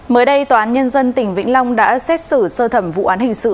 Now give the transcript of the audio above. mới đây tòa án nhân dân tỉnh vĩnh long đã xét xử sơ thẩm vụ án hình sự